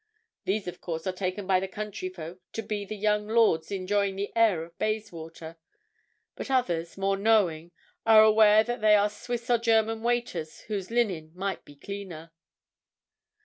These, of course, are taken by the country folk to be young lords enjoying the air of Bayswater, but others, more knowing, are aware that they are Swiss or German waiters whose linen might be cleaner.